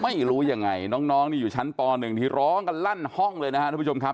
ไม่รู้ยังไงน้องนี่อยู่ชั้นป๑ที่ร้องกันลั่นห้องเลยนะครับทุกผู้ชมครับ